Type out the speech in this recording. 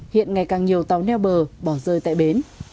hiện ngày càng nhiều tàu neo bờ bỏ rơi tại bến